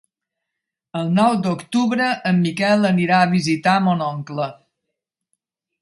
El nou d'octubre en Miquel anirà a visitar mon oncle.